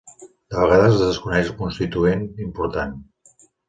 De vegades es desconeix el constituent important.